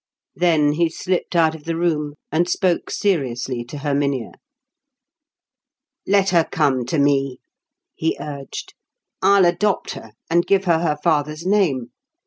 Then he slipped out of the room, and spoke seriously to Herminia. "Let her come to me," he urged. "I'll adopt her, and give her her father's name.